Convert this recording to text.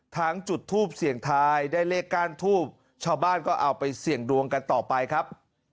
จุดทูปเสี่ยงทายได้เลขก้านทูบชาวบ้านก็เอาไปเสี่ยงดวงกันต่อไปครับ